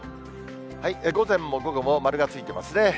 午前も午後も丸がついてますね。